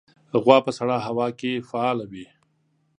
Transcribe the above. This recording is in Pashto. غوا په سړه هوا کې فعال وي.